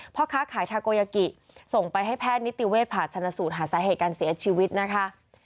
พ่อค้าขายทาโกยากิส่งไปให้แพทย์นิติเวชผ่าชนสูตรหาสาเหตุการเสียชีวิตนะคะ